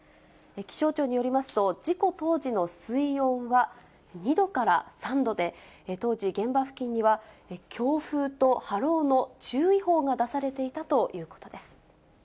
気象庁によりますと、事故当時の水温は２度から３度で、当時、現場付近には、強風と波浪の注意報が出されていたということです。